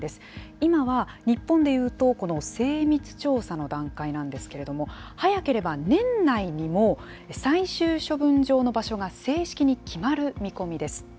今は日本でいうとこの精密調査の段階なんですけども、早ければ年内にも、最終処分場の場所が正式に決まる見込みです。